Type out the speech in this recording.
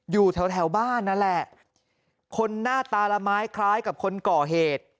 อยู่แถวแถวบ้านนั่นแหละคนหน้าตาละไม้คล้ายกับคนก่อเหตุ